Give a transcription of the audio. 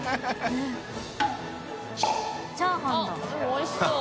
おいしそう。